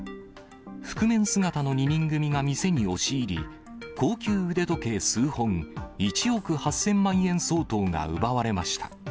覆面姿の２人組が店に押し入り、高級腕時計数本、１億８０００万円相当が奪われました。